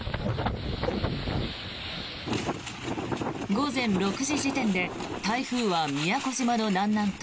午前６時時点で台風は宮古島の南南東